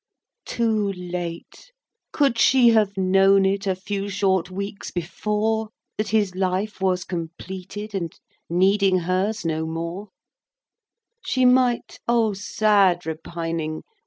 VII. Too late! Could she have known it A few short weeks before, That his life was completed, And needing hers no more, She might—O sad repining!